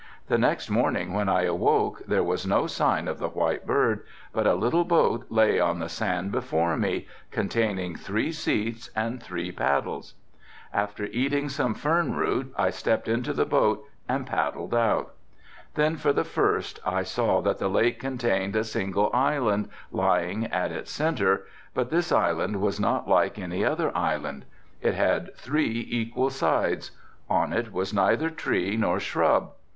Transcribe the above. The next morning when I awoke there was no sign of the white bird but a little boat lay on the sand before me containing three seats and three paddles. After eating some fern root I stepped into the boat and paddled out. Then, for the first, I saw that the lake contained a single island, lying in its centre, but this island was not like any other island. It had three equal sides, on it was neither tree nor shrub.